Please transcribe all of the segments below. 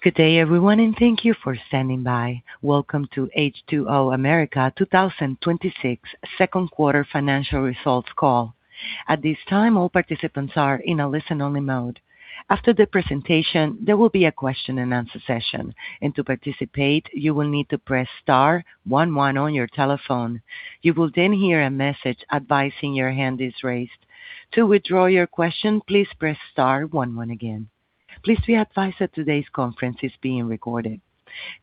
Good day, everyone. Thank you for standing by. Welcome to H2O America 2026 second quarter financial results call. At this time, all participants are in a listen-only mode. After the presentation, there will be a question-and-answer session. To participate, you will need to press star one one on your telephone. You will then hear a message advising your hand is raised. To withdraw your question, please press star one one again. Please be advised that today's conference is being recorded.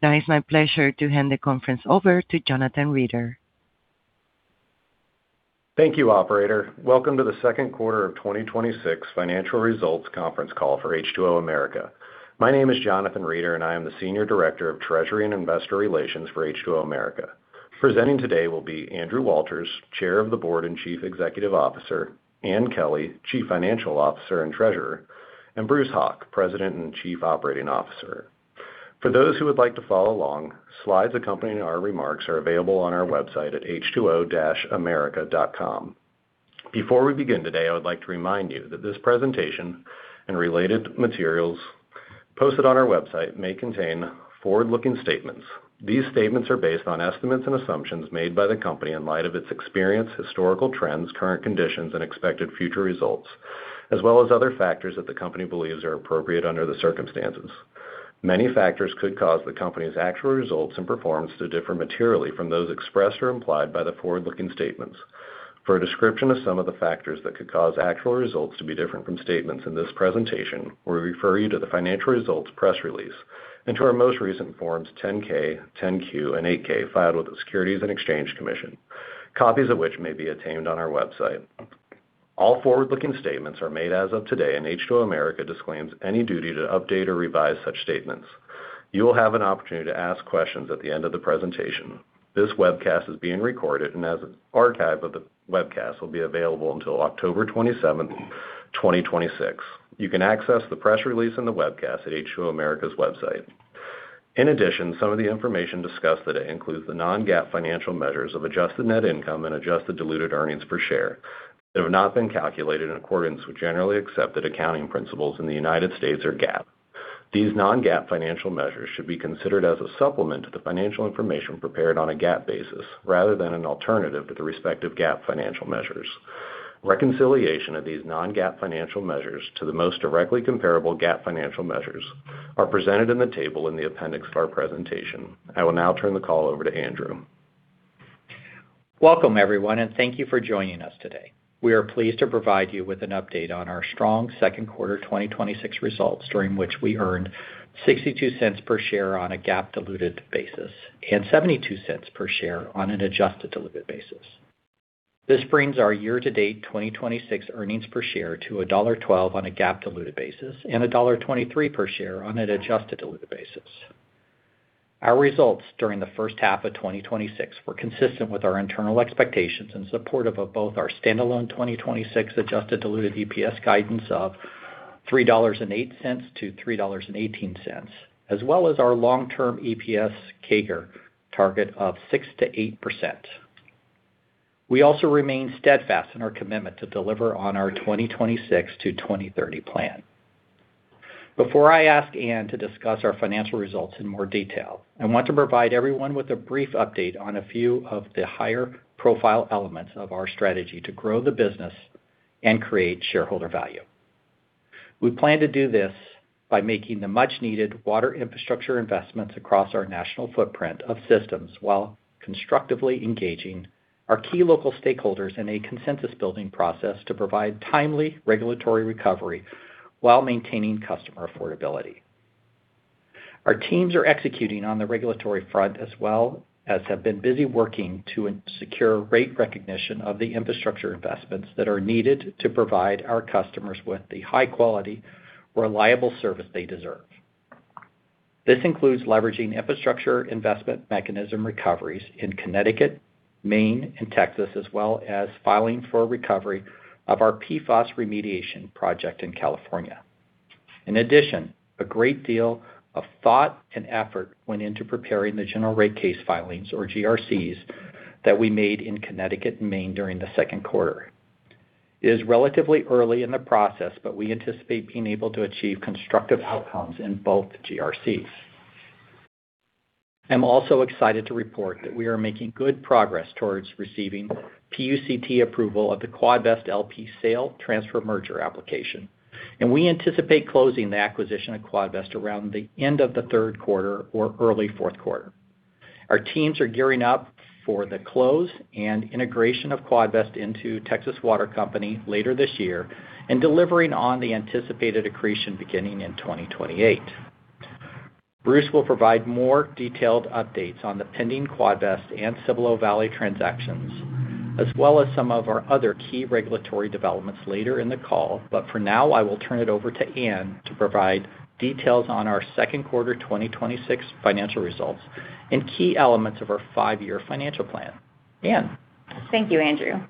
Now it's my pleasure to hand the conference over to Jonathan Reeder. Thank you, operator. Welcome to the second quarter of 2026 financial results conference call for H2O America. My name is Jonathan Reeder. I am the Senior Director of Treasury and Investor Relations for H2O America. Presenting today will be Andrew Walters, Chair of the Board and Chief Executive Officer, Ann Kelly, Chief Financial Officer and Treasurer, and Bruce Hauk, President and Chief Operating Officer. For those who would like to follow along, slides accompanying our remarks are available on our website at h2o-america.com. Before we begin today, I would like to remind you that this presentation and related materials posted on our website may contain forward-looking statements. These statements are based on estimates and assumptions made by the company in light of its experience, historical trends, current conditions, and expected future results, as well as other factors that the company believes are appropriate under the circumstances. Many factors could cause the company's actual results and performance to differ materially from those expressed or implied by the forward-looking statements. For a description of some of the factors that could cause actual results to be different from statements in this presentation, we refer you to the financial results press release and to our most recent Forms 10-K, 10-Q, and 8-K filed with the Securities and Exchange Commission, copies of which may be obtained on our website. All forward-looking statements are made as of today. H2O America disclaims any duty to update or revise such statements. You will have an opportunity to ask questions at the end of the presentation. This webcast is being recorded and as an archive of the webcast will be available until October 27th, 2026. You can access the press release and the webcast at H2O America's website. In addition, some of the information discussed today includes the non-GAAP financial measures of adjusted net income and adjusted diluted earnings per share that have not been calculated in accordance with generally accepted accounting principles in the United States or GAAP. These non-GAAP financial measures should be considered as a supplement to the financial information prepared on a GAAP basis rather than an alternative to the respective GAAP financial measures. Reconciliation of these non-GAAP financial measures to the most directly comparable GAAP financial measures are presented in the table in the appendix of our presentation. I will turn the call over to Andrew. Welcome, everyone. Thank you for joining us today. We are pleased to provide you with an update on our strong second quarter 2026 results during which we earned $0.62 per share on a GAAP diluted basis and $0.72 per share on an adjusted diluted basis. This brings our year-to-date 2026 earnings per share to $1.12 on a GAAP diluted basis and $1.23 per share on an adjusted diluted basis. Our results during the first half of 2026 were consistent with our internal expectations and supportive of both our standalone 2026 adjusted diluted EPS guidance of $3.08-$3.18, as well as our long-term EPS CAGR target of 6%-8%. We also remain steadfast in our commitment to deliver on our 2026-2030 plan. Before I ask Ann to discuss our financial results in more detail, I want to provide everyone with a brief update on a few of the higher-profile elements of our strategy to grow the business and create shareholder value. We plan to do this by making the much-needed water infrastructure investments across our national footprint of systems while constructively engaging our key local stakeholders in a consensus-building process to provide timely regulatory recovery while maintaining customer affordability. Our teams are executing on the regulatory front as well as have been busy working to secure rate recognition of the infrastructure investments that are needed to provide our customers with the high-quality, reliable service they deserve. This includes leveraging infrastructure investment mechanism recoveries in Connecticut, Maine, and Texas, as well as filing for recovery of our PFAS remediation project in California. In addition, a great deal of thought and effort went into preparing the general rate case filings or GRCs that we made in Connecticut and Maine during the second quarter. It is relatively early in the process, but we anticipate being able to achieve constructive outcomes in both GRCs. I'm also excited to report that we are making good progress towards receiving PUCT approval of the Quadvest LP sale transfer merger application, and we anticipate closing the acquisition of Quadvest around the end of the third quarter or early fourth quarter. Our teams are gearing up for the close and integration of Quadvest into Texas Water Company later this year and delivering on the anticipated accretion beginning in 2028. Bruce will provide more detailed updates on the pending Quadvest and Cibolo Valley transactions, as well as some of our other key regulatory developments later in the call. For now, I will turn it over to Ann to provide details on our second quarter 2026 financial results and key elements of our five-year financial plan. Ann. Thank you, Andrew.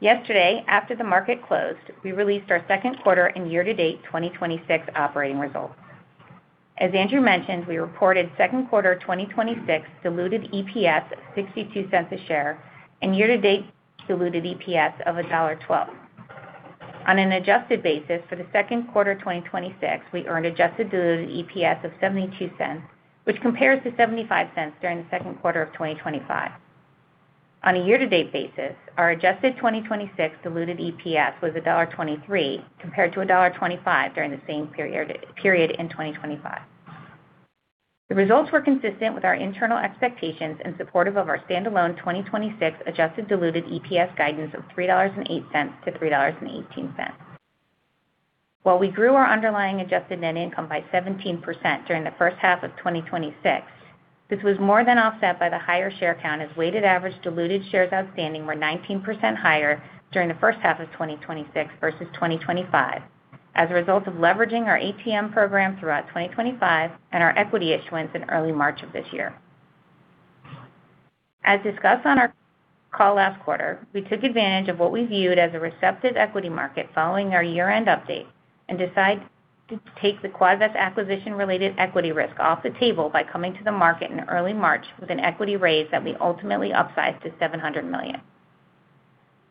Yesterday, after the market closed, we released our second quarter and year-to-date 2026 operating results. As Andrew mentioned, we reported second quarter 2026 diluted EPS of $0.62 a share and year-to-date diluted EPS of $1.12. On an adjusted basis for the second quarter 2026, we earned adjusted diluted EPS of $0.72, which compares to $0.75 during the second quarter of 2025. On a year-to-date basis, our adjusted 2026 diluted EPS was $1.23, compared to $1.25 during the same period in 2025. The results were consistent with our internal expectations and supportive of our standalone 2026 adjusted diluted EPS guidance of $3.08-$3.18. While we grew our underlying adjusted net income by 17% during the first half of 2026, this was more than offset by the higher share count as weighted average diluted shares outstanding were 19% higher during the first half of 2026 versus 2025 as a result of leveraging our ATM program throughout 2025 and our equity issuance in early March of this year. As discussed on our call last quarter, we took advantage of what we viewed as a receptive equity market following our year-end update and decided to take the Quadvest acquisition-related equity risk off the table by coming to the market in early March with an equity raise that we ultimately upsized to $700 million.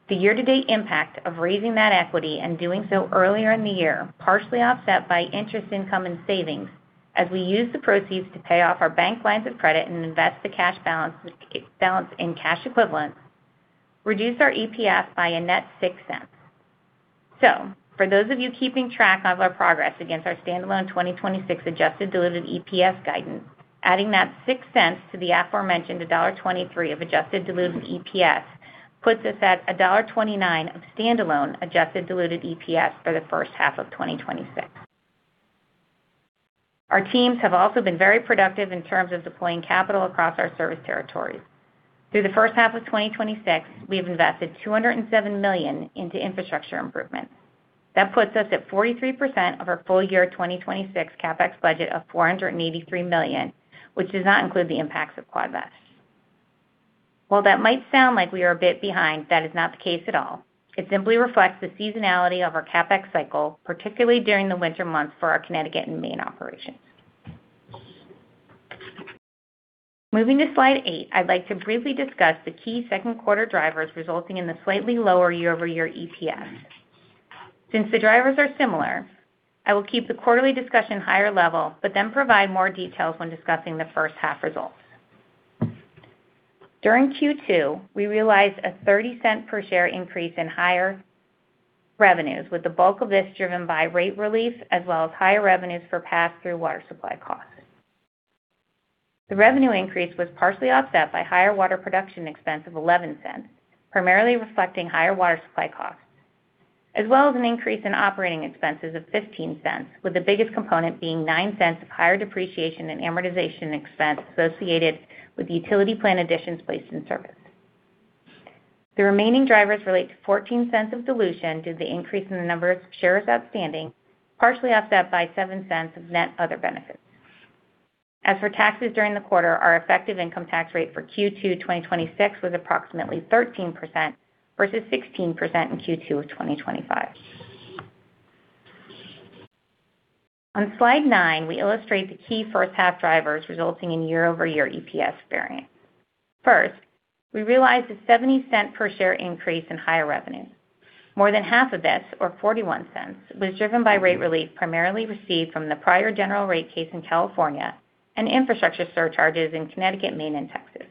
The year-to-date impact of raising that equity and doing so earlier in the year, partially offset by interest income and savings, as we used the proceeds to pay off our bank lines of credit and invest the cash balance in cash equivalents, reduced our EPS by a net $0.06. For those of you keeping track of our progress against our standalone 2026 adjusted diluted EPS guidance, adding that $0.06 to the aforementioned $1.23 of adjusted diluted EPS puts us at $1.29 of standalone adjusted diluted EPS for the first half of 2026. Our teams have also been very productive in terms of deploying capital across our service territories. Through the first half of 2026, we've invested $207 million into infrastructure improvements. That puts us at 43% of our full-year 2026 CapEx budget of $483 million, which does not include the impacts of Quadvest. While that might sound like we are a bit behind, that is not the case at all. It simply reflects the seasonality of our CapEx cycle, particularly during the winter months for our Connecticut and Maine operations. Moving to slide eight, I'd like to briefly discuss the key second quarter drivers resulting in the slightly lower year-over-year EPS. Since the drivers are similar, I will keep the quarterly discussion higher level, but then provide more details when discussing the first half results. During Q2, we realized a $0.30 per share increase in higher revenues, with the bulk of this driven by rate relief, as well as higher revenues for pass-through water supply costs. The revenue increase was partially offset by higher water production expense of $0.11, primarily reflecting higher water supply costs, as well as an increase in operating expenses of $0.15, with the biggest component being $0.09 of higher depreciation in amortization expense associated with utility plant additions placed in service. The remaining drivers relate to $0.14 of dilution due to the increase in the number of shares outstanding, partially offset by $0.07 of net other benefits. As for taxes during the quarter, our effective income tax rate for Q2 2026 was approximately 13% versus 16% in Q2 of 2025. On slide nine, we illustrate the key first half drivers resulting in year-over-year EPS variance. First, we realized a $0.70 per share increase in higher revenue. More than half of this, or $0.41, was driven by rate relief primarily received from the prior general rate case in California and infrastructure surcharges in Connecticut, Maine, and Texas.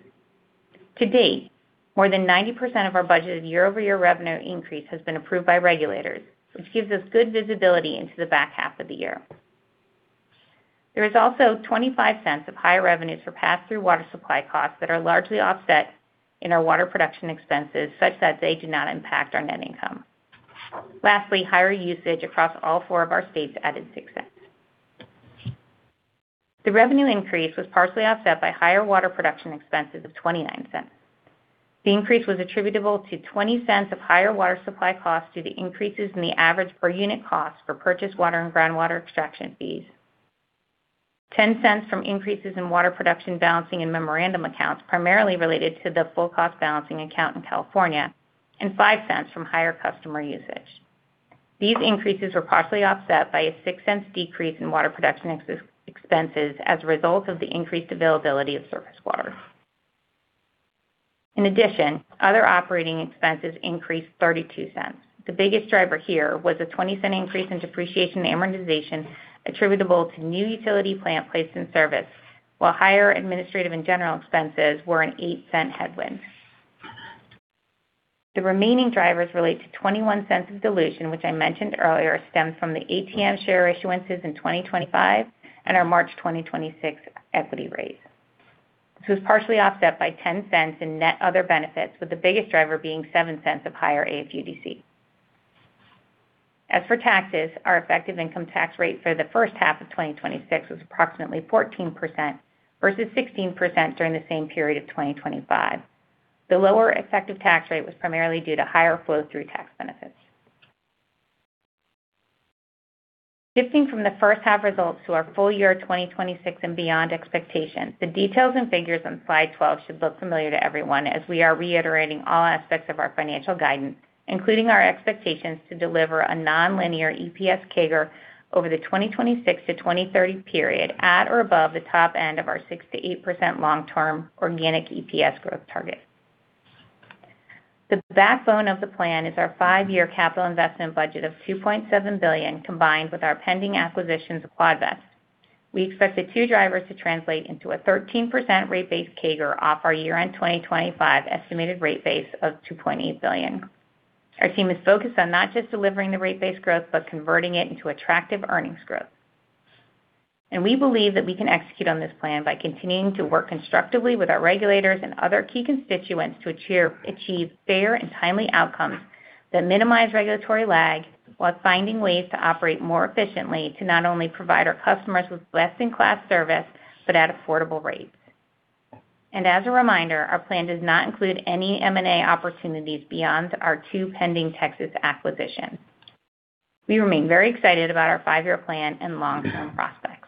To date, more than 90% of our budgeted year-over-year revenue increase has been approved by regulators, which gives us good visibility into the back half of the year. There is also $0.25 of higher revenues for pass-through water supply costs that are largely offset in our water production expenses, such that they do not impact our net income. Lastly, higher usage across all four of our states added $0.06. The revenue increase was partially offset by higher water production expenses of $0.29. The increase was attributable to $0.20 of higher water supply costs due to increases in the average per unit cost for purchased water and groundwater extraction fees. $0.10 from increases in water production balancing and memorandum accounts, primarily related to the full cost balancing account in California, and $0.05 from higher customer usage. These increases were partially offset by a $0.06 decrease in water production expenses as a result of the increased availability of surface water. In addition, other operating expenses increased $0.32. The biggest driver here was a $0.20 increase in depreciation amortization attributable to new utility plant placed in service. While higher administrative and general expenses were an $0.08 headwind. The remaining drivers relate to $0.21 of dilution, which I mentioned earlier stems from the ATM share issuances in 2025 and our March 2026 equity raise. This was partially offset by $0.10 in net other benefits, with the biggest driver being $0.07 of higher AFUDC. As for taxes, our effective income tax rate for the first half of 2026 was approximately 14% versus 16% during the same period of 2025. The lower effective tax rate was primarily due to higher flow-through tax benefits. Shifting from the first half results to our full year 2026 and beyond expectations, the details and figures on slide 12 should look familiar to everyone, as we are reiterating all aspects of our financial guidance, including our expectations to deliver a nonlinear EPS CAGR over the 2026-2030 period at or above the top end of our 6%-8% long-term organic EPS growth target. The backbone of the plan is our five-year capital investment budget of $2.7 billion, combined with our pending acquisitions of Quadvest. We expect the two drivers to translate into a 13% rate base CAGR off our year-end 2025 estimated rate base of $2.8 billion. Our team is focused on not just delivering the rate base growth but converting it into attractive earnings growth. We believe that we can execute on this plan by continuing to work constructively with our regulators and other key constituents to achieve fair and timely outcomes that minimize regulatory lag, while finding ways to operate more efficiently to not only provide our customers with best-in-class service but at affordable rates. As a reminder, our plan does not include any M&A opportunities beyond our two pending Texas acquisitions. We remain very excited about our five-year plan and long-term prospects.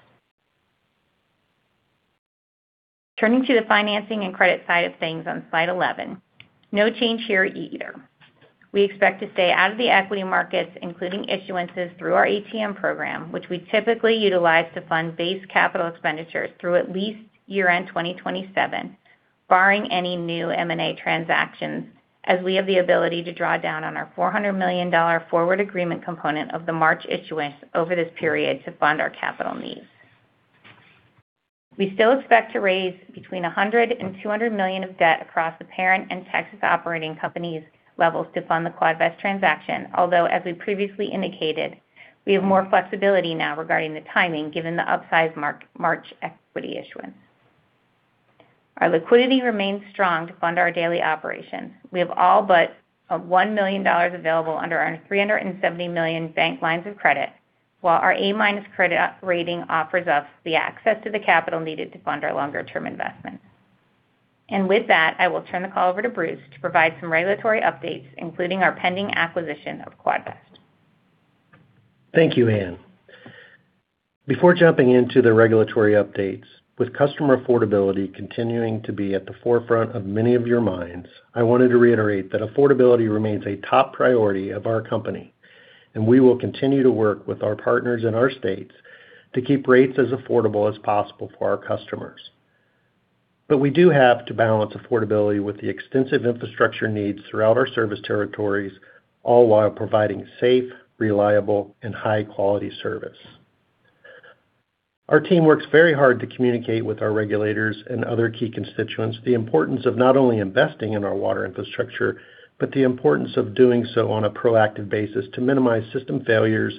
Turning to the financing and credit side of things on slide 11. No change here either. We expect to stay out of the equity markets, including issuances through our ATM program, which we typically utilize to fund base capital expenditures through at least year-end 2027, barring any new M&A transactions, as we have the ability to draw down on our $400 million forward agreement component of the March issuance over this period to fund our capital needs. We still expect to raise between $100 million and $200 million of debt across the parent and Texas operating companies levels to fund the Quadvest transaction, although, as we previously indicated, we have more flexibility now regarding the timing, given the upsized March equity issuance. Our liquidity remains strong to fund our daily operations. We have all but $1 million available under our $370 million bank lines of credit, while our A- credit rating offers us the access to the capital needed to fund our longer-term investments. With that, I will turn the call over to Bruce to provide some regulatory updates, including our pending acquisition of Quadvest. Thank you, Ann. Before jumping into the regulatory updates, with customer affordability continuing to be at the forefront of many of your minds, I wanted to reiterate that affordability remains a top priority of our company. We will continue to work with our partners in our states to keep rates as affordable as possible for our customers. We do have to balance affordability with the extensive infrastructure needs throughout our service territories, all while providing safe, reliable, and high-quality service. Our team works very hard to communicate with our regulators and other key constituents the importance of not only investing in our water infrastructure, but the importance of doing so on a proactive basis to minimize system failures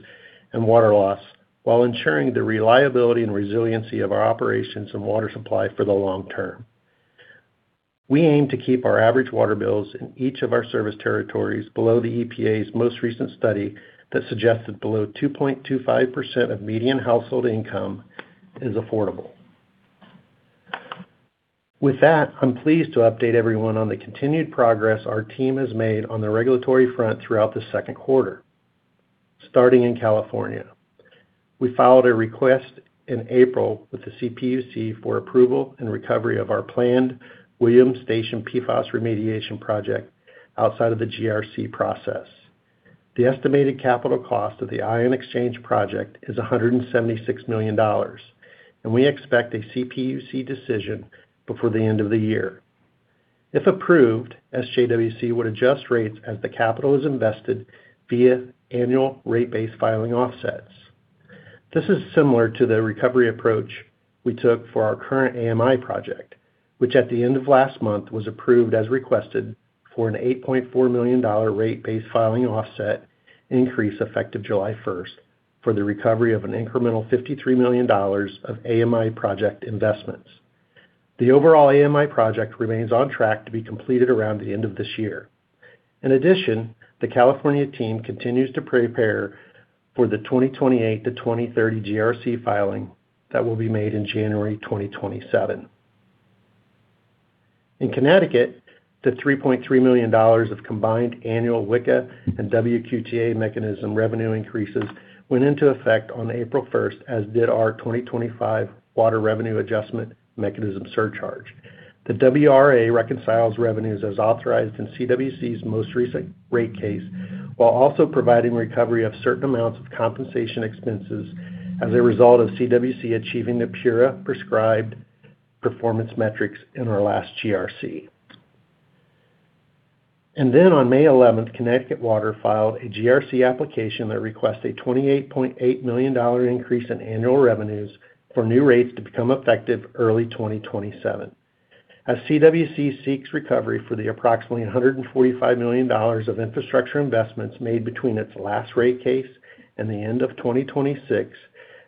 and water loss, while ensuring the reliability and resiliency of our operations and water supply for the long term. We aim to keep our average water bills in each of our service territories below the EPA's most recent study that suggested below 2.25% of median household income is affordable. With that, I'm pleased to update everyone on the continued progress our team has made on the regulatory front throughout the second quarter. Starting in California, we filed a request in April with the CPUC for approval and recovery of our planned Williams Station PFAS remediation project outside of the GRC process. The estimated capital cost of the Ion Exchange project is $176 million, and we expect a CPUC decision before the end of the year. If approved, SJWC would adjust rates as the capital is invested via annual rate base filing offsets. This is similar to the recovery approach we took for our current AMI project, which at the end of last month was approved as requested for an $8.4 million rate base filing offset increase effective July 1st for the recovery of an incremental $53 million of AMI project investments. The overall AMI project remains on track to be completed around the end of this year. In addition, the California team continues to prepare for the 2028-2030 GRC filing that will be made in January 2027. In Connecticut, the $3.3 million of combined annual WICA and WQTA mechanism revenue increases went into effect on April 1st, as did our 2025 Water Revenue Adjustment mechanism surcharge. The WRA reconciles revenues as authorized in CWC's most recent rate case, while also providing recovery of certain amounts of compensation expenses as a result of CWC achieving the PURA prescribed performance metrics in our last GRC. On May 11th, Connecticut Water filed a GRC application that requests a $28.8 million increase in annual revenues for new rates to become effective early 2027, as CWC seeks recovery for the approximately $145 million of infrastructure investments made between its last rate case and the end of 2026,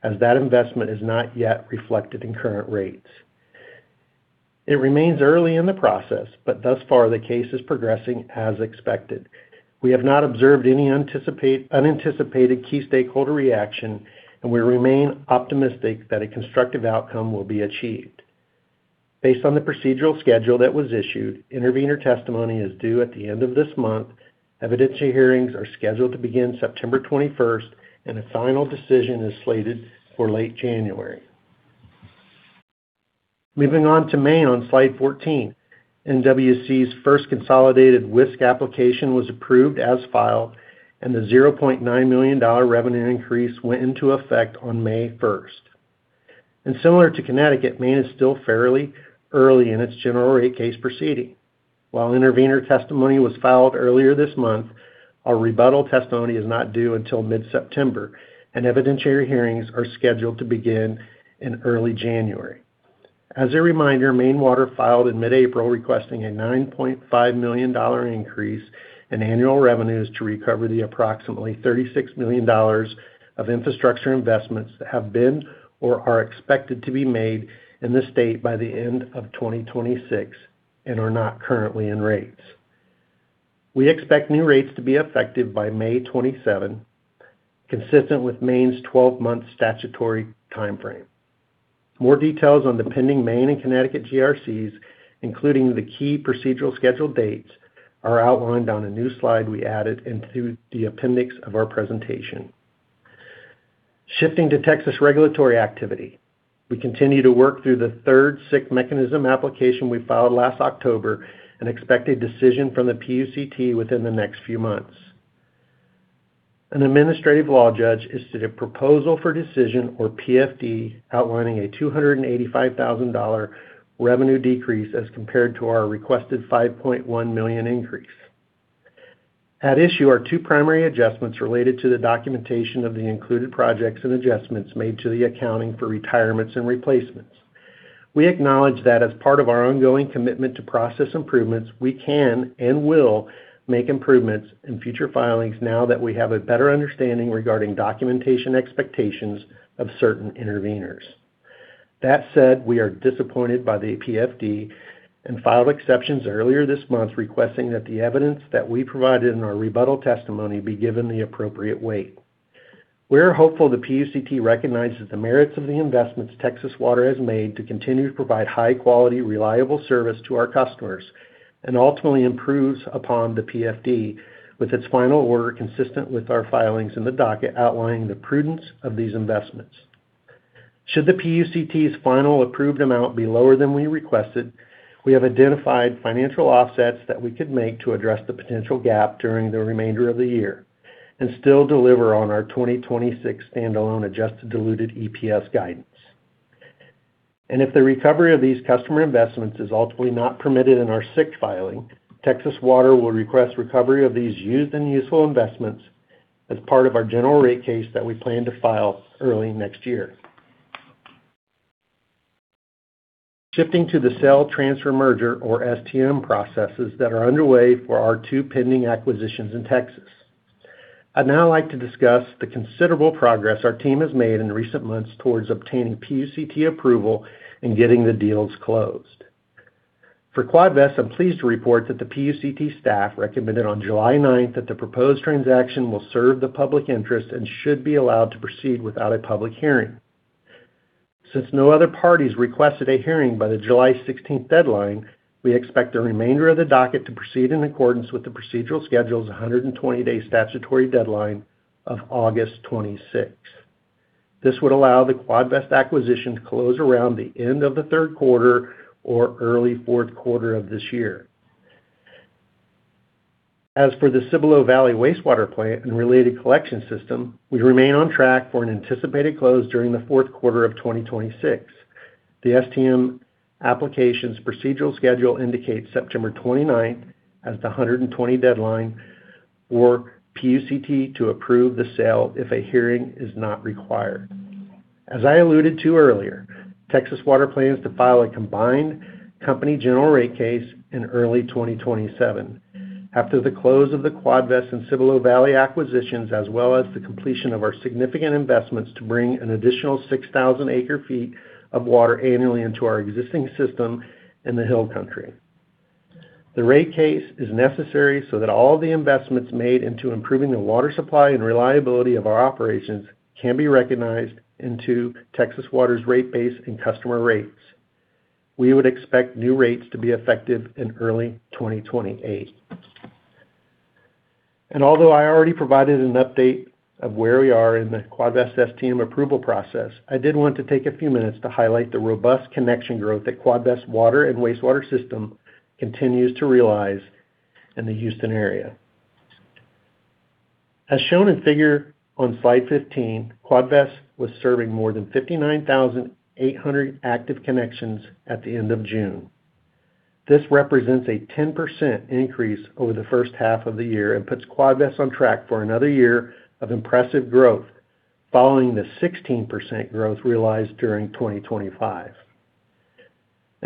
as that investment is not yet reflected in current rates. It remains early in the process, but thus far the case is progressing as expected. We have not observed any unanticipated key stakeholder reaction, and we remain optimistic that a constructive outcome will be achieved. Based on the procedural schedule that was issued, intervener testimony is due at the end of this month, evidentiary hearings are scheduled to begin September 21st, and a final decision is slated for late January. Moving on to Maine on slide 14. NWC's first consolidated WISC application was approved as filed, and the $0.9 million revenue increase went into effect on May 1st. Similar to Connecticut, Maine is still fairly early in its general rate case proceeding. While intervener testimony was filed earlier this month, our rebuttal testimony is not due until mid-September, and evidentiary hearings are scheduled to begin in early January. As a reminder, Maine Water filed in mid-April requesting a $9.5 million increase in annual revenues to recover the approximately $36 million of infrastructure investments that have been or are expected to be made in the state by the end of 2026 and are not currently in rates. We expect new rates to be effective by May 27, consistent with Maine's 12-month statutory timeframe. More details on the pending Maine and Connecticut GRCs, including the key procedural schedule dates, are outlined on a new slide we added into the appendix of our presentation. Shifting to Texas regulatory activity. We continue to work through the third SIC mechanism application we filed last October. Expect a decision from the PUCT within the next few months. An administrative law judge issued a proposal for decision, or PFD, outlining a $285,000 revenue decrease as compared to our requested $5.1 million increase. At issue are two primary adjustments related to the documentation of the included projects and adjustments made to the accounting for retirements and replacements. We acknowledge that as part of our ongoing commitment to process improvements, we can and will make improvements in future filings now that we have a better understanding regarding documentation expectations of certain interveners. That said, we are disappointed by the PFD and filed exceptions earlier this month requesting that the evidence that we provided in our rebuttal testimony be given the appropriate weight. We are hopeful the PUCT recognizes the merits of the investments Texas Water has made to continue to provide high-quality, reliable service to our customers and ultimately improves upon the PFD with its final order consistent with our filings in the docket outlining the prudence of these investments. Should the PUCT's final approved amount be lower than we requested, we have identified financial offsets that we could make to address the potential gap during the remainder of the year and still deliver on our 2026 standalone adjusted diluted EPS guidance. If the recovery of these customer investments is ultimately not permitted in our SIC filing, Texas Water will request recovery of these used and useful investments as part of our general rate case that we plan to file early next year. Shifting to the sale, transfer, merger, or STM processes that are underway for our two pending acquisitions in Texas. I'd now like to discuss the considerable progress our team has made in recent months towards obtaining PUCT approval and getting the deals closed. For Quadvest, I'm pleased to report that the PUCT staff recommended on July 9th that the proposed transaction will serve the public interest and should be allowed to proceed without a public hearing. Since no other parties requested a hearing by the July 16th deadline, we expect the remainder of the docket to proceed in accordance with the procedural schedule's 120-day statutory deadline of August 26th. This would allow the Quadvest acquisition to close around the end of the third quarter or early fourth quarter of this year. As for the Cibolo Valley wastewater treatment plant and related collection system, we remain on track for an anticipated close during the fourth quarter of 2026. The STM application's procedural schedule indicates September 29th as the 120 deadline for PUCT to approve the sale if a hearing is not required. As I alluded to earlier, Texas Water plans to file a combined company general rate case in early 2027 after the close of the Quadvest and Cibolo Valley acquisitions, as well as the completion of our significant investments to bring an additional 6,000 acre-feet of water annually into our existing system in the Hill Country. The rate case is necessary so that all the investments made into improving the water supply and reliability of our operations can be recognized into Texas Water's rate base and customer rates. We would expect new rates to be effective in early 2028. Although I already provided an update of where we are in the Quadvest STM approval process, I did want to take a few minutes to highlight the robust connection growth that Quadvest water and wastewater system continues to realize in the Houston area. As shown in figure on slide 15, Quadvest was serving more than 59,800 active connections at the end of June. This represents a 10% increase over the first half of the year and puts Quadvest on track for another year of impressive growth following the 16% growth realized during 2025.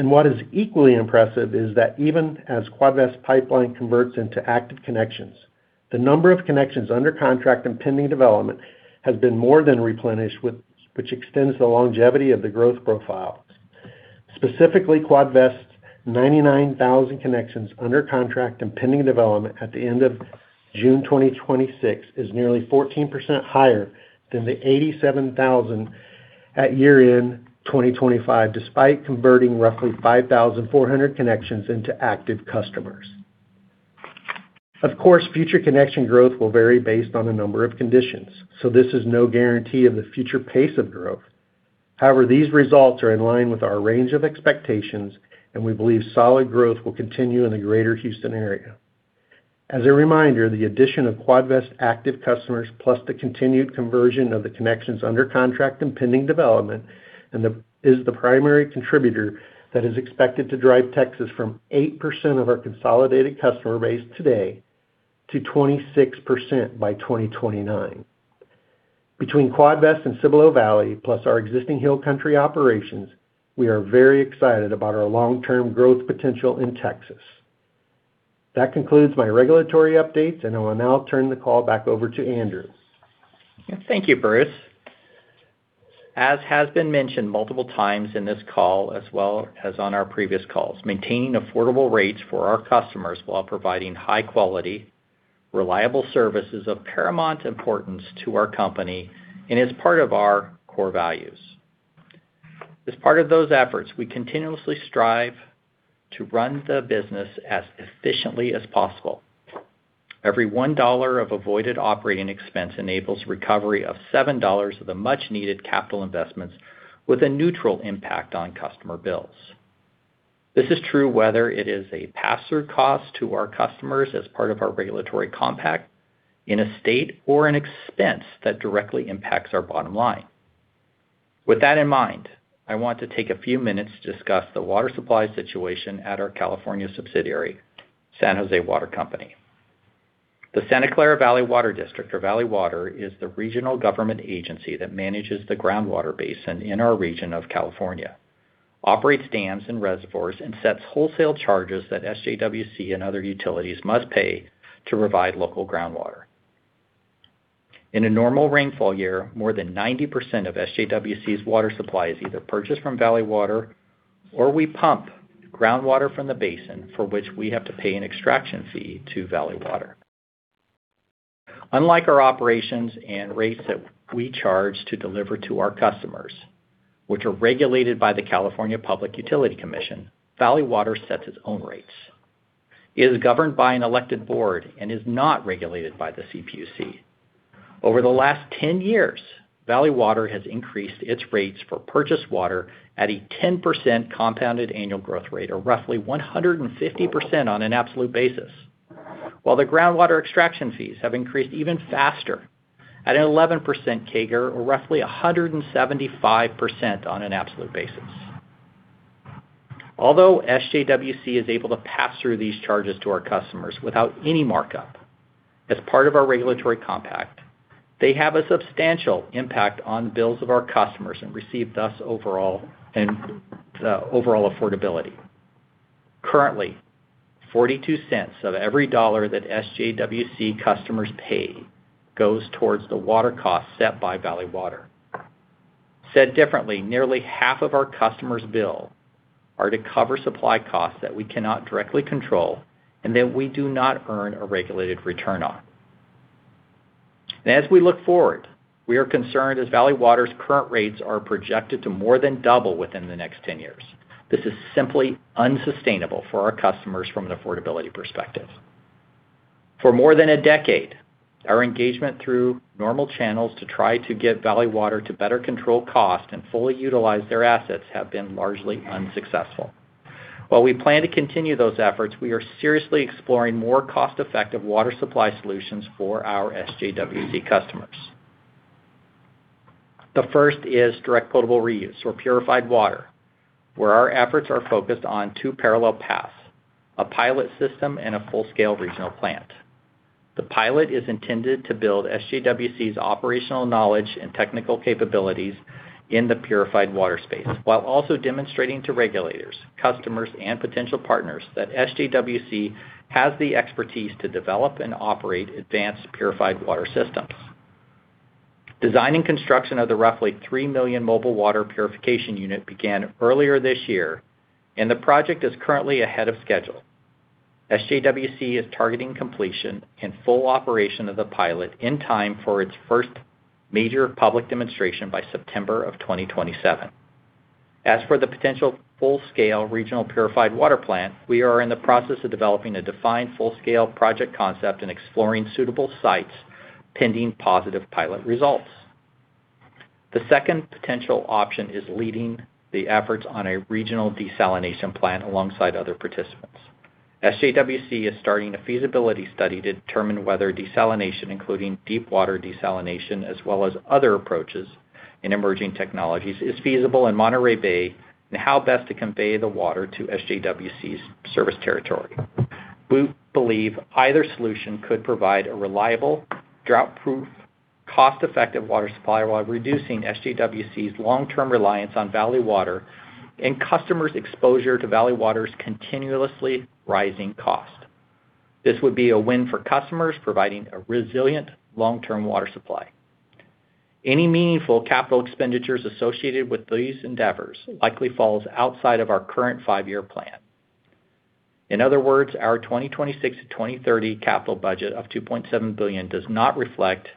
What is equally impressive is that even as Quadvest pipeline converts into active connections, the number of connections under contract and pending development has been more than replenished, which extends the longevity of the growth profile. Specifically, Quadvest's 99,000 connections under contract and pending development at the end of June 2026 is nearly 14% higher than the 87,000 at year-end 2025, despite converting roughly 5,400 connections into active customers. Of course, future connection growth will vary based on a number of conditions, so this is no guarantee of the future pace of growth. However, these results are in line with our range of expectations, and we believe solid growth will continue in the greater Houston area. As a reminder, the addition of Quadvest active customers, plus the continued conversion of the connections under contract and pending development, is the primary contributor that is expected to drive Texas from 8% of our consolidated customer base today to 26% by 2029. Between Quadvest and Cibolo Valley, plus our existing Hill Country operations, we are very excited about our long-term growth potential in Texas. That concludes my regulatory updates, and I will now turn the call back over to Andrew. Thank you, Bruce. As has been mentioned multiple times in this call as well as on our previous calls, maintaining affordable rates for our customers while providing high-quality, reliable service is of paramount importance to our company and is part of our core values. As part of those efforts, we continuously strive to run the business as efficiently as possible. Every $1 of avoided operating expense enables recovery of $7 of the much-needed capital investments with a neutral impact on customer bills. This is true whether it is a pass-through cost to our customers as part of our regulatory compact in a state or an expense that directly impacts our bottom line. With that in mind, I want to take a few minutes to discuss the water supply situation at our California subsidiary, San Jose Water Company. The Santa Clara Valley Water District, or Valley Water, is the regional government agency that manages the groundwater basin in our region of California, operates dams and reservoirs, and sets wholesale charges that SJWC and other utilities must pay to provide local groundwater. In a normal rainfall year, more than 90% of SJWC's water supply is either purchased from Valley Water or we pump groundwater from the basin for which we have to pay an extraction fee to Valley Water. Unlike our operations and rates that we charge to deliver to our customers, which are regulated by the California Public Utilities Commission, Valley Water sets its own rates. It is governed by an elected board and is not regulated by the CPUC. Over the last 10 years, Valley Water has increased its rates for purchased water at a 10% compounded annual growth rate, or roughly 150% on an absolute basis. While the groundwater extraction fees have increased even faster, at an 11% CAGR or roughly 175% on an absolute basis. Although SJWC is able to pass through these charges to our customers without any markup, as part of our regulatory compact, they have a substantial impact on bills of our customers and reduce thus overall affordability. Currently, $0.42 of every dollar that SJWC customers pay goes towards the water cost set by Valley Water. Said differently, nearly half of our customers' bill are to cover supply costs that we cannot directly control and that we do not earn a regulated return on. As we look forward, we are concerned as Valley Water's current rates are projected to more than double within the next 10 years. This is simply unsustainable for our customers from an affordability perspective. For more than a decade, our engagement through normal channels to try to get Valley Water to better control cost and fully utilize their assets have been largely unsuccessful. While we plan to continue those efforts, we are seriously exploring more cost-effective water supply solutions for our SJWC customers. The first is direct potable reuse or purified water, where our efforts are focused on two parallel paths, a pilot system and a full-scale regional plant. The pilot is intended to build SJWC's operational knowledge and technical capabilities in the purified water space while also demonstrating to regulators, customers, and potential partners that SJWC has the expertise to develop and operate advanced purified water systems. Design and construction of the roughly $3 million mobile water purification unit began earlier this year, and the project is currently ahead of schedule. SJWC is targeting completion and full operation of the pilot in time for its first major public demonstration by September of 2027. As for the potential full-scale regional purified water plant, we are in the process of developing a defined full-scale project concept and exploring suitable sites pending positive pilot results. The second potential option is leading the efforts on a regional desalination plant alongside other participants. SJWC is starting a feasibility study to determine whether desalination, including deep water desalination as well as other approaches in emerging technologies, is feasible in Monterey Bay and how best to convey the water to SJWC's service territory. We believe either solution could provide a reliable, drought-proof, cost-effective water supply while reducing SJWC's long-term reliance on Valley Water and customers' exposure to Valley Water's continuously rising cost. This would be a win for customers, providing a resilient long-term water supply. Any meaningful capital expenditures associated with these endeavors likely falls outside of our current five-year plan. In other words, our 2026-2030 capital budget of $2.7 billion does not reflect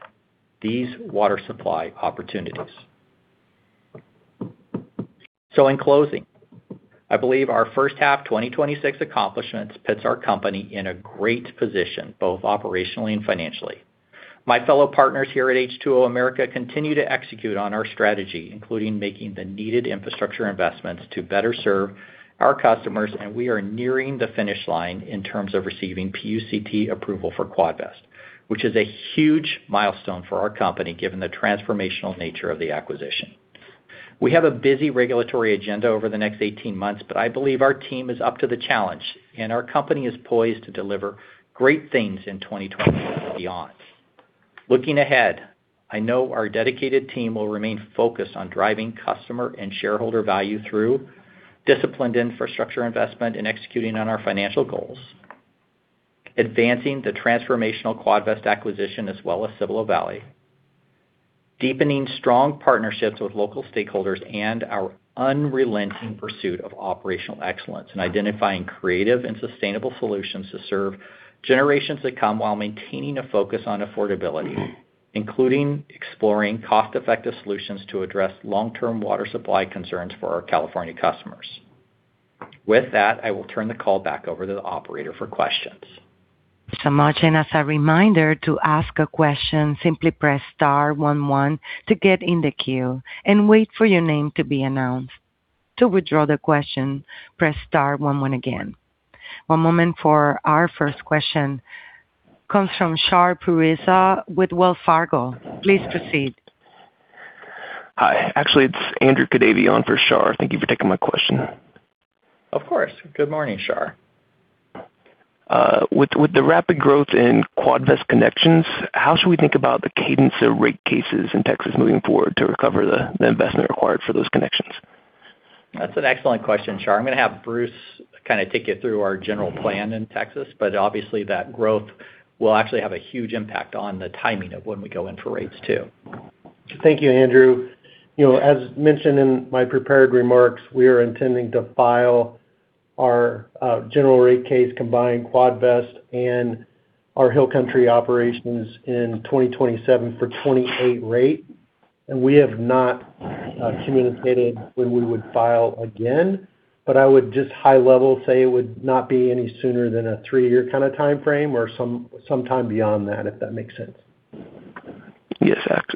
these water supply opportunities. In closing, I believe our first half 2026 accomplishments puts our company in a great position, both operationally and financially. My fellow partners here at H2O America continue to execute on our strategy, including making the needed infrastructure investments to better serve our customers, and we are nearing the finish line in terms of receiving PUCT approval for Quadvest, which is a huge milestone for our company given the transformational nature of the acquisition. We have a busy regulatory agenda over the next 18 months, but I believe our team is up to the challenge, and our company is poised to deliver great things in 2026 and beyond. Looking ahead, I know our dedicated team will remain focused on driving customer and shareholder value through disciplined infrastructure investment and executing on our financial goals, advancing the transformational Quadvest acquisition as well as Cibolo Valley, deepening strong partnerships with local stakeholders and our unrelenting pursuit of operational excellence and identifying creative and sustainable solutions to serve generations to come while maintaining a focus on affordability, including exploring cost-effective solutions to address long-term water supply concerns for our California customers. With that, I will turn the call back over to the operator for questions. Thank you so much. As a reminder, to ask a question, simply press star one one to get in the queue and wait for your name to be announced. To withdraw the question, press star one one again. One moment for our first question. Comes from Shar Pourreza with Wells Fargo. Please proceed. Hi. Actually, it's Andrew Kadavy for Shar. Thank you for taking my question. Of course. Good morning, Shar. With the rapid growth in Quadvest connections, how should we think about the cadence of rate cases in Texas moving forward to recover the investment required for those connections? That's an excellent question, Shar. I'm going to have Bruce take you through our general plan in Texas. Obviously, that growth will actually have a huge impact on the timing of when we go in for rates too. Thank you, Andrew. As mentioned in my prepared remarks, we are intending to file our general rate case combining Quadvest and our Hill Country operations in 2027 for 2028 rate. We have not communicated when we would file again. I would just high-level say it would not be any sooner than a three-year timeframe or sometime beyond that, if that makes sense. Yes, thanks.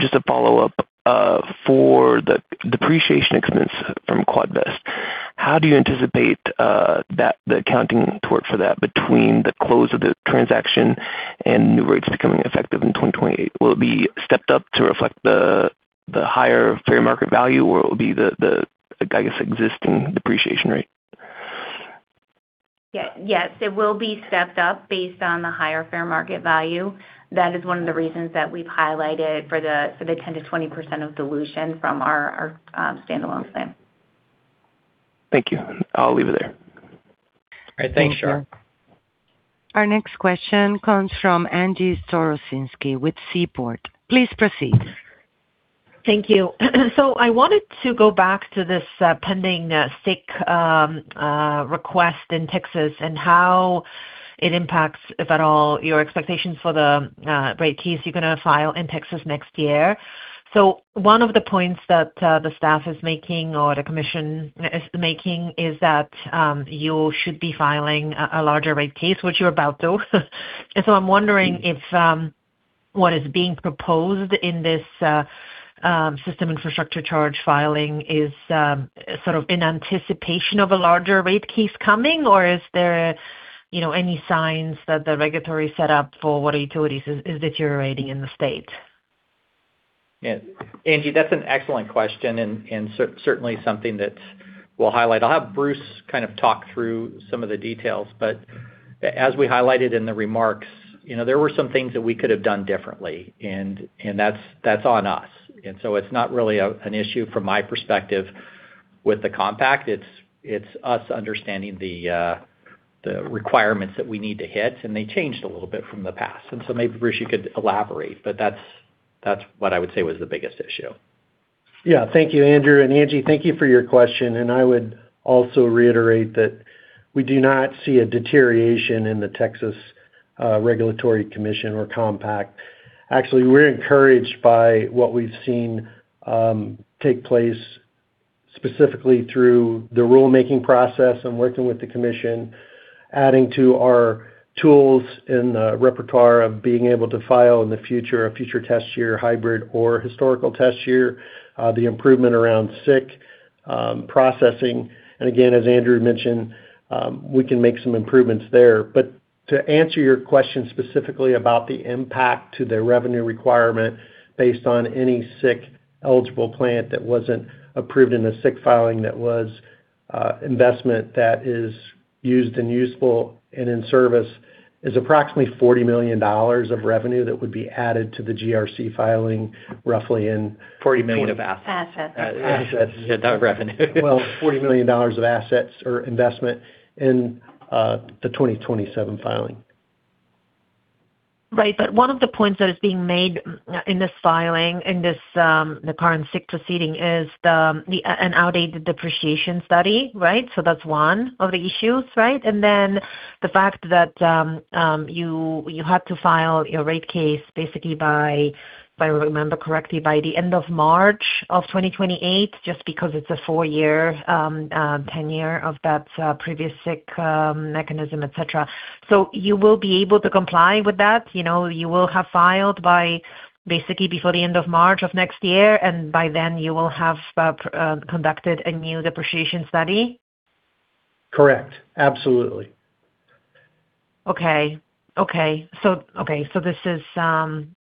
Just a follow-up. For the depreciation expense from Quadvest, how do you anticipate the accounting toward for that between the close of the transaction and new rates becoming effective in 2028? Will it be stepped up to reflect the higher fair market value, or it will be the, I guess, existing depreciation rate? Yes. It will be stepped up based on the higher fair market value. That is one of the reasons that we've highlighted for the 10%-20% of dilution from our standalone plan. Thank you. I'll leave it there. All right. Thanks, Shar. Our next question comes from Angie Storozynski with Seaport. Please proceed. Thank you. I wanted to go back to this pending SIC request in Texas and how it impacts, if at all, your expectations for the rate case you're going to file in Texas next year. One of the points that the staff is making or the Commission is making is that you should be filing a larger rate case, which you're about to. I'm wondering if what is being proposed in this system infrastructure charge filing is in anticipation of a larger rate case coming, or is there any signs that the regulatory setup for what utilities is deteriorating in the state? Angie, that's an excellent question and certainly something that we'll highlight. I'll have Bruce talk through some of the details. As we highlighted in the remarks, there were some things that we could have done differently, and that's on us. It's not really an issue from my perspective with the compact. It's us understanding the requirements that we need to hit, and they changed a little bit from the past. Maybe Bruce, you could elaborate, but that's what I would say was the biggest issue. Thank you, Andrew. Angie, thank you for your question. I would also reiterate that we do not see a deterioration in the Texas Regulatory Commission or Compact. Actually, we're encouraged by what we've seen take place specifically through the rulemaking process and working with the Commission, adding to our tools in the repertoire of being able to file in the future a future test year hybrid or historical test year, the improvement around SIC processing. Again, as Andrew mentioned, we can make some improvements there. To answer your question specifically about the impact to the revenue requirement based on any SIC-eligible plant that wasn't approved in a SIC filing that was investment that is used and useful and in service is approximately $40 million of revenue that would be added to the GRC filing roughly in. $40 million of assets. Assets. Not revenue. Well, $40 million of assets or investment in the 2027 filing. Right. One of the points that is being made in this filing, in the current SIC proceeding is an outdated depreciation study, right? That's one of the issues, right? The fact that you have to file your rate case basically by, if I remember correctly, by the end of March of 2028, just because it's a four-year tenure of that previous SIC mechanism, et cetera. You will be able to comply with that? You will have filed by basically before the end of March of next year, and by then you will have conducted a new depreciation study? Correct. Absolutely. Okay. This is,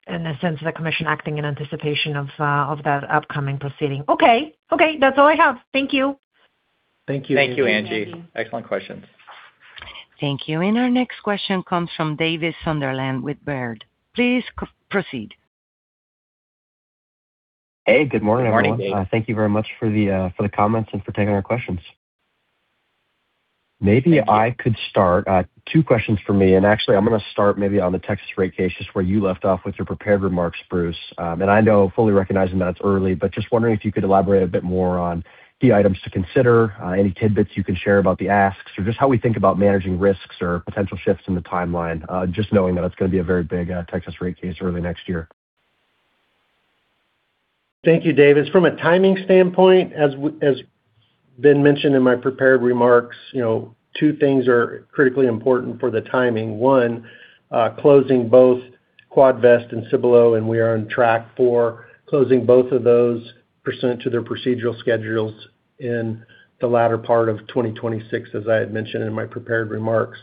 in a sense, the Commission acting in anticipation of the upcoming proceeding. Okay. That's all I have. Thank you. Thank you, Angie. Thank you, Angie. Excellent questions. Thank you. Our next question comes from Davis Sunderland with Baird. Please proceed. Hey, good morning, everyone. Good morning, Davis. Thank you very much for the comments and for taking our questions. Maybe I could start, two questions from me, and actually, I'm going to start maybe on the Texas rate case, just where you left off with your prepared remarks, Bruce. I know, fully recognizing that it's early, but just wondering if you could elaborate a bit more on key items to consider, any tidbits you can share about the asks, or just how we think about managing risks or potential shifts in the timeline, just knowing that it's going to be a very big Texas rate case early next year. Thank you, Davis. From a timing standpoint, as been mentioned in my prepared remarks, two things are critically important for the timing. One, closing both Quadvest and Cibolo, and we are on track for closing both of those pursuant to their procedural schedules in the latter part of 2026, as I had mentioned in my prepared remarks.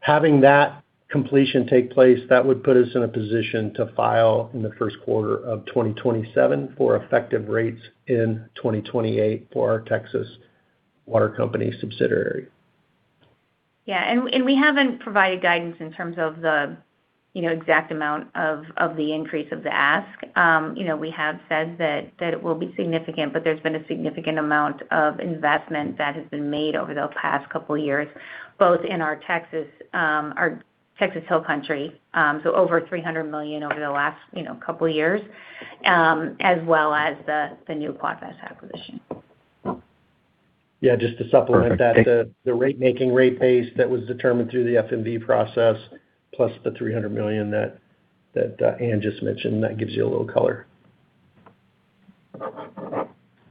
Having that completion take place, that would put us in a position to file in the first quarter of 2027 for effective rates in 2028 for our Texas Water Company subsidiary. Yeah, we haven't provided guidance in terms of the exact amount of the increase of the ask. We have said that it will be significant, but there's been a significant amount of investment that has been made over the past couple of years, both in our Texas Hill Country, so over $300 million over the last couple of years, as well as the new Quadvest acquisition. Yeah, just to supplement that. Perfect. Thank you. The rate-making rate base that was determined through the FMV process, plus the $300 million that Ann just mentioned, that gives you a little color.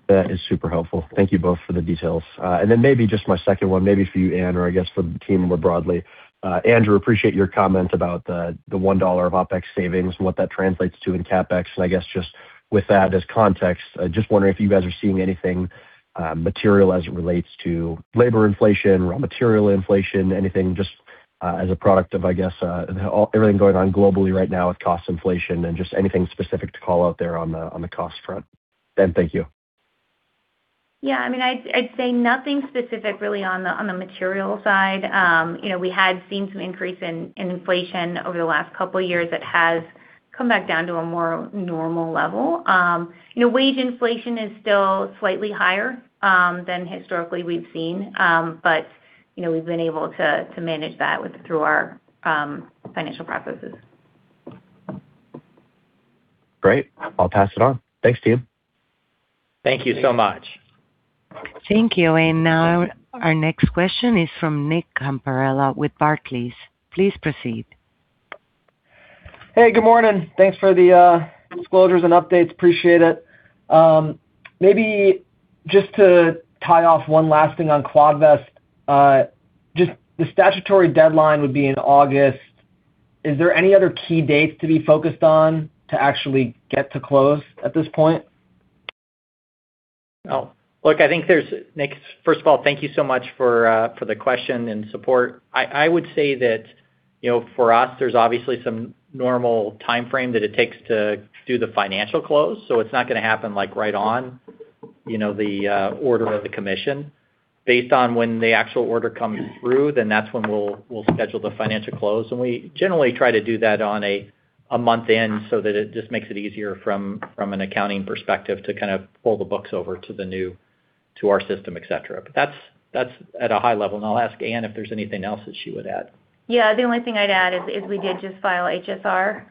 That is super helpful. Thank you both for the details. Maybe just my second one, maybe for you, Ann, or I guess for the team more broadly. Andrew, appreciate your comment about the $1 of OpEx savings and what that translates to in CapEx. I guess just with that as context, just wondering if you guys are seeing anything material as it relates to labor inflation, raw material inflation, anything just as a product of, I guess, everything going on globally right now with cost inflation and just anything specific to call out there on the cost front. Thank you. Yeah, I'd say nothing specific really on the material side. We had seen some increase in inflation over the last couple of years. That has come back down to a more normal level. Wage inflation is still slightly higher than historically we've seen. We've been able to manage that through our financial processes. Great. I'll pass it on. Thanks, team. Thank you so much. Thank you. Now our next question is from Nick Campanella with Barclays. Please proceed. Hey, good morning. Thanks for the disclosures and updates. Appreciate it. Maybe just to tie off one last thing on Quadvest. Just the statutory deadline would be in August. Is there any other key dates to be focused on to actually get to close at this point? Look, Nick, first of all, thank you so much for the question and support. I would say that for us, there's obviously some normal timeframe that it takes to do the financial close. It's not going to happen right on the order of the Commission. Based on when the actual order comes through, then that's when we'll schedule the financial close, and we generally try to do that on a month-in so that it just makes it easier from an accounting perspective to pull the books over to our system, et cetera. That's at a high level, and I'll ask Ann if there's anything else that she would add. Yeah. The only thing I'd add is we did just file HSR.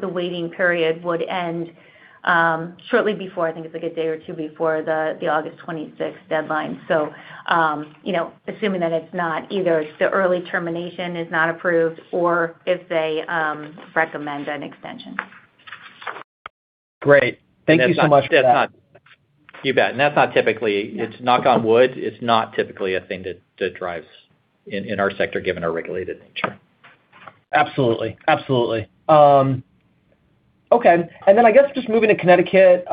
The waiting period would end shortly before, I think it's like a day or two before the August 26th deadline. Assuming that it's not either the early termination is not approved or if they recommend an extension. Great. Thank you so much for that. You bet. That's not typically, it's knock on wood, it's not typically a thing that drives in our sector given our regulated nature. Absolutely. Okay. I guess just moving to Connecticut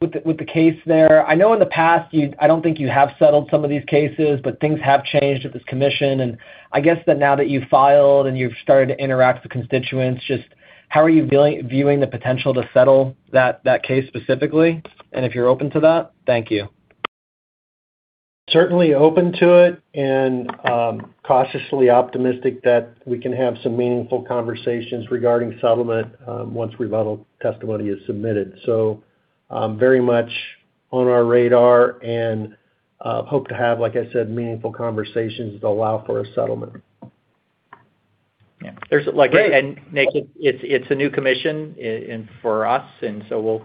with the case there. I know in the past, I don't think you have settled some of these cases, but things have changed at this Commission, I guess now that you've filed and you've started to interact with the constituents. Just how are you viewing the potential to settle that case specifically, and if you're open to that? Thank you. Certainly open to it, and cautiously optimistic that we can have some meaningful conversations regarding settlement once rebuttal testimony is submitted. Very much on our radar, and hope to have, like I said, meaningful conversations that allow for a settlement. Yeah. Great. Nick, it's a new Commission for us, and so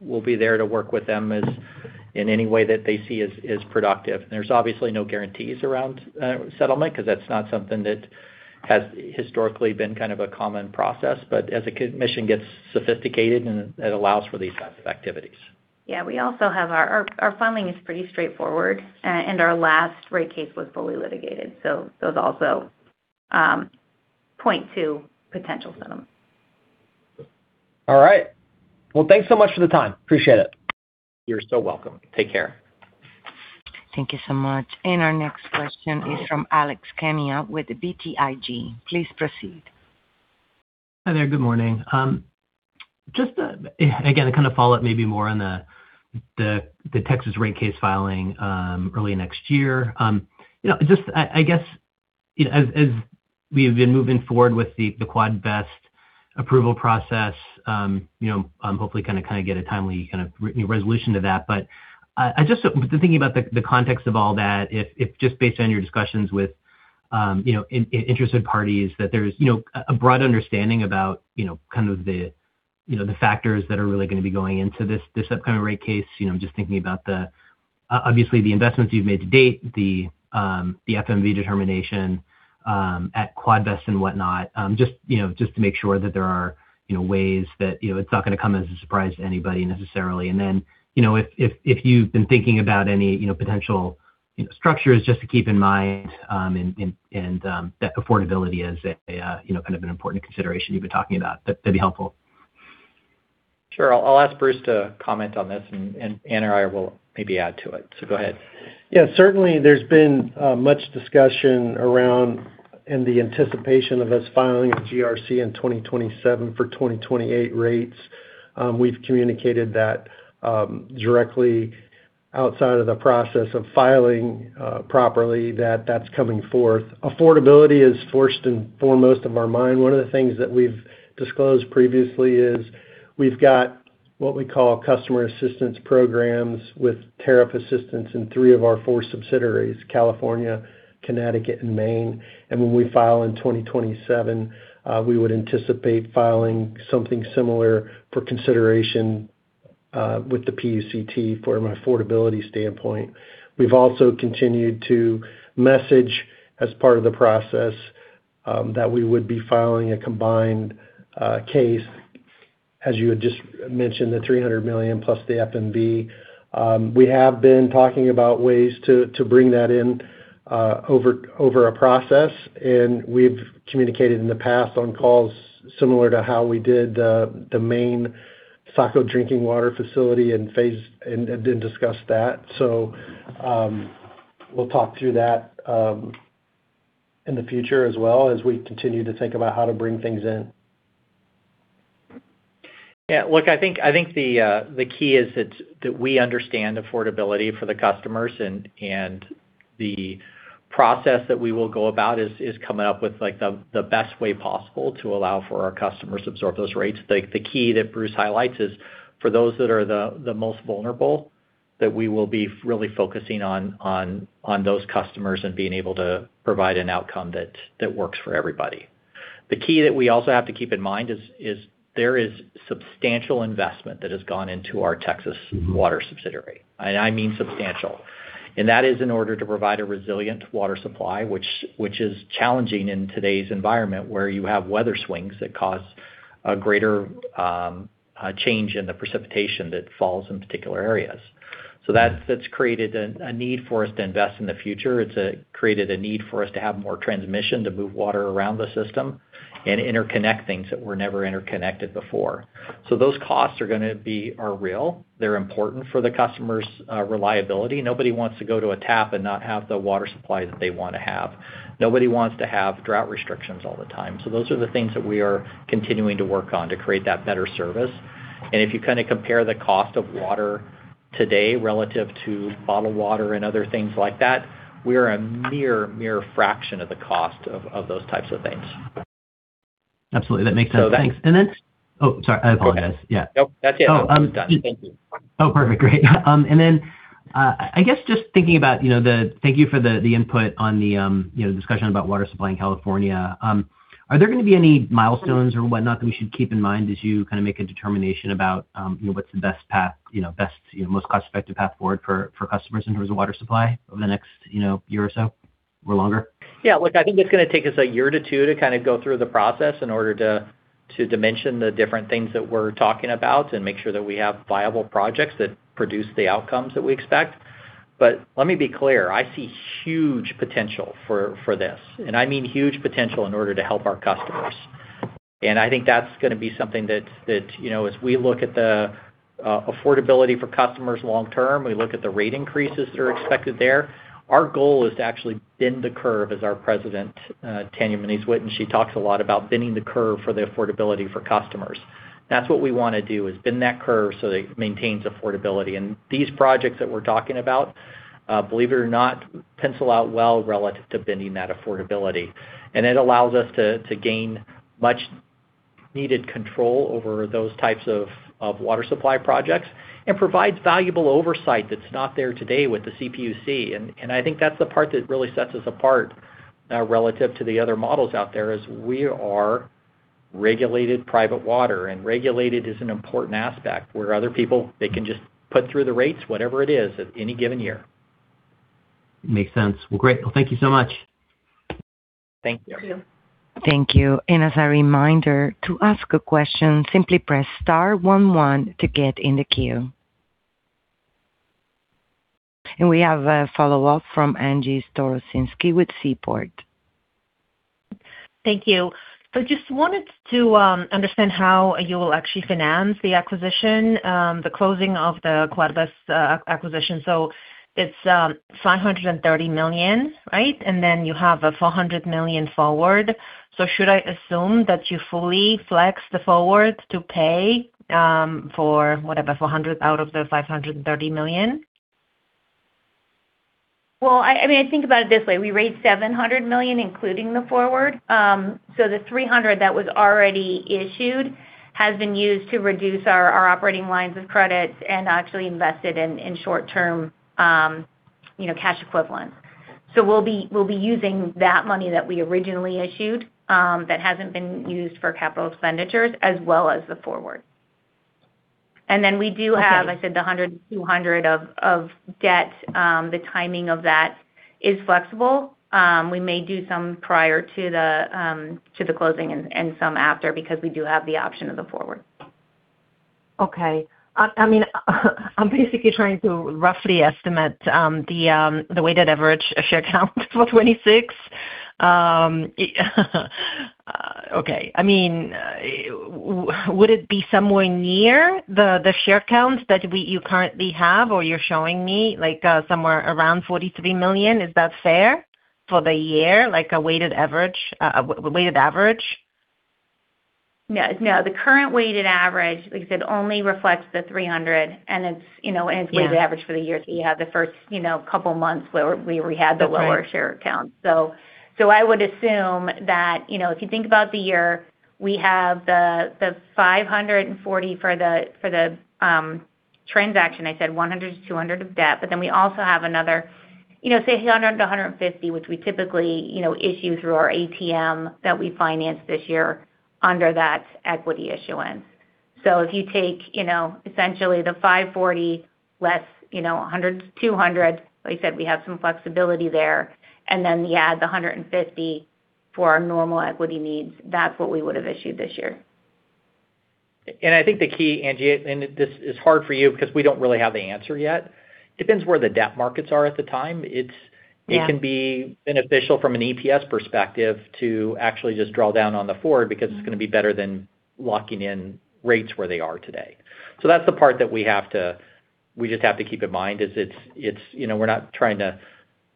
we'll be there to work with them in any way that they see as productive. There's obviously no guarantees around settlement because that's not something that has historically been kind of a common process. As the Commission gets sophisticated, it allows for these types of activities. Yeah, we also have our filing is pretty straightforward, and our last rate case was fully litigated, so those also point to potential settlement. All right. Well, thanks so much for the time. Appreciate it. You're so welcome. Take care. Thank you so much. Our next question is from Alex Kania with BTIG. Please proceed. Hi there. Good morning. Just again, to kind of follow up maybe more on the Texas rate case filing early next year. I guess, as we have been moving forward with the Quadvest approval process, hopefully kind of get a timely resolution to that. Just thinking about the context of all that, if just based on your discussions with interested parties, that there's a broad understanding about the factors that are really going to be going into this upcoming rate case. Just thinking about obviously the investments you've made to date, the FMV determination at Quadvest and whatnot, just to make sure that there are ways that it's not going to come as a surprise to anybody necessarily. If you've been thinking about any potential structures just to keep in mind, and that affordability is kind of an important consideration you've been talking about. That'd be helpful. Sure. I'll ask Bruce to comment on this, and Ann or I will maybe add to it. Go ahead. Certainly, there's been much discussion around the anticipation of us filing a GRC in 2027 for 2028 rates. We've communicated that directly outside of the process of filing properly that that's coming forth. Affordability is first and foremost of our mind. One of the things that we've disclosed previously is we've got what we call customer assistance programs with tariff assistance in three of our four subsidiaries, California, Connecticut, and Maine. When we file in 2027, we would anticipate filing something similar for consideration with the PUCT from an affordability standpoint. We've also continued to message as part of the process that we would be filing a combined case, as you had just mentioned, the $300 million plus the FMV. We have been talking about ways to bring that in over a process, and we've communicated in the past on calls similar to how we did the Maine, Saco drinking water facility and phase, didn't discuss that. We'll talk through that in the future as well as we continue to think about how to bring things in. I think the key is that we understand affordability for the customers. The process that we will go about is coming up with the best way possible to allow for our customers to absorb those rates. The key that Bruce highlights is for those that are the most vulnerable, that we will be really focusing on those customers and being able to provide an outcome that works for everybody. The key that we also have to keep in mind is there is substantial investment that has gone into our Texas Water subsidiary. I mean substantial. That is in order to provide a resilient water supply, which is challenging in today's environment, where you have weather swings that cause a greater change in the precipitation that falls in particular areas. That's created a need for us to invest in the future. It's created a need for us to have more transmission to move water around the system and interconnect things that were never interconnected before. Those costs are real. They're important for the customer's reliability. Nobody wants to go to a tap and not have the water supply that they want to have. Nobody wants to have drought restrictions all the time. Those are the things that we are continuing to work on to create that better service. If you compare the cost of water today relative to bottled water and other things like that, we are a mere fraction of the cost of those types of things. Absolutely. That makes sense. Thanks. I apologize. That's it. I'm done. Thank you. Perfect. Great. Thank you for the input on the discussion about water supply in California. Are there going to be any milestones or whatnot that we should keep in mind as you make a determination about what's the most cost-effective path forward for customers in terms of water supply over the next year or so, or longer? Yeah, look, I think it's going to take us a year to two to go through the process in order to dimension the different things that we're talking about and make sure that we have viable projects that produce the outcomes that we expect. Let me be clear, I see huge potential for this, and I mean huge potential in order to help our customers. I think that's going to be something that as we look at the affordability for customers long term, we look at the rate increases that are expected there. Our goal is to actually bend the curve as our President, Tanya Moniz-Witten, she talks a lot about bending the curve for the affordability for customers. That's what we want to do, is bend that curve so that it maintains affordability. These projects that we're talking about, believe it or not, pencil out well relative to bending that affordability. It allows us to gain much-needed control over those types of water supply projects and provides valuable oversight that's not there today with the CPUC. I think that's the part that really sets us apart relative to the other models out there is we are regulated private water, and regulated is an important aspect. Where other people, they can just put through the rates, whatever it is at any given year. Makes sense. Well, great. Well, thank you so much. Thank you. Thank you. As a reminder, to ask a question, simply press star one one to get in the queue. We have a follow-up from Angie Storozynski with Seaport. Thank you. Just wanted to understand how you will actually finance the acquisition, the closing of the Quadvest acquisition. It's $530 million, right? You have a $400 million forward. Should I assume that you fully flex the forward to pay for, whatever, $400 million out of the $530 million? Well, think about it this way. We raised $700 million, including the forward. The $300 million that was already issued has been used to reduce our operating lines of credit and actually invested in short-term cash equivalents. We'll be using that money that we originally issued that hasn't been used for capital expenditures as well as the forward. We do have, I said the $100 million-$200 million of debt. The timing of that is flexible. We may do some prior to the closing and some after because we do have the option of the forward. Okay. I'm basically trying to roughly estimate the weighted average share count for 2026. Okay. Would it be somewhere near the share count that you currently have or you're showing me like somewhere around 43 million? Is that fair for the year? Like a weighted average? No. The current weighted average, like I said, only reflects the $300 million, and it's weighted average for the year. You have the first couple of months where we had the lower share count. I would assume that, if you think about the year, we have the $540 million for the transaction. I said $100 million-$200 million of debt, but then we also have another, say, $100 million-$150 million, which we typically issue through our ATM that we financed this year under that equity issuance. If you take essentially the $540 million less $100 million-$200 million, like I said, we have some flexibility there, you add the $150 million for our normal equity needs, that's what we would've issued this year. I think the key, Angie, and this is hard for you because we don't really have the answer yet, depends where the debt markets are at the time. Yeah. It can be beneficial from an EPS perspective to actually just draw down on the forward because it's going to be better than locking in rates where they are today. That's the part that we just have to keep in mind is we're not trying to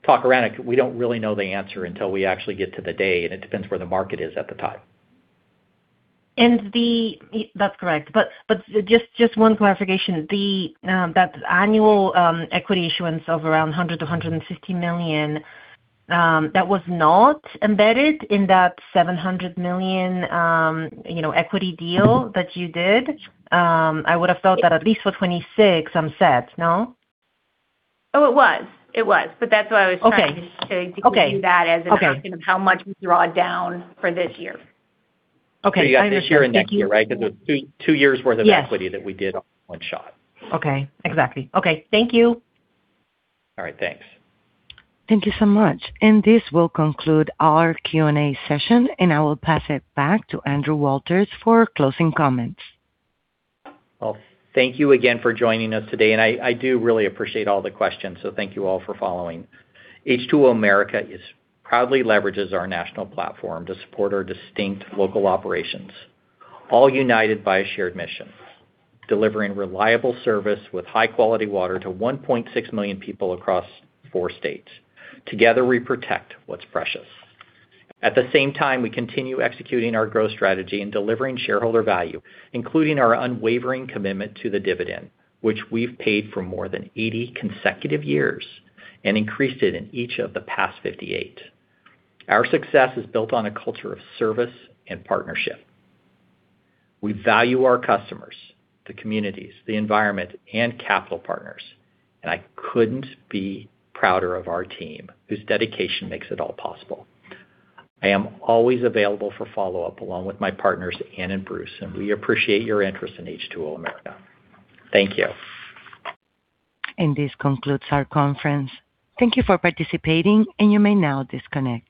talk around it. We don't really know the answer until we actually get to the day, and it depends where the market is at the time. That's correct. Just one clarification, that annual equity issuance of around $100 million-$150 million, that was not embedded in that $700 million equity deal that you did? I would have thought that at least for 2026, I'm set, no? Oh, it was. That's why I was trying to say. Okay. Do that as in terms of how much we draw down for this year. Okay. I understand. Thank you. You got this year and next year, right? Because it was two years' worth of equity that we did all in one shot. Okay. Exactly. Okay. Thank you. All right. Thanks. Thank you so much. This will conclude our Q&A session, and I will pass it back to Andrew Walters for closing comments. Well, thank you again for joining us today. I do really appreciate all the questions, so thank you all for following. H2O America proudly leverages our national platform to support our distinct local operations, all united by a shared mission, delivering reliable service with high-quality water to 1.6 million people across four states. Together, we protect what's precious. At the same time, we continue executing our growth strategy and delivering shareholder value, including our unwavering commitment to the dividend, which we've paid for more than 80 consecutive years and increased it in each of the past 58. Our success is built on a culture of service and partnership. We value our customers, the communities, the environment, and capital partners. I couldn't be prouder of our team, whose dedication makes it all possible. I am always available for follow-up, along with my partners, Ann and Bruce. We appreciate your interest in H2O America. Thank you. This concludes our conference. Thank you for participating, and you may now disconnect.